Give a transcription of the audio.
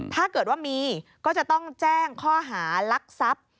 ถ้าเกิดว่ามีก็จะต้องแจ้งข้อหารักทรัพย์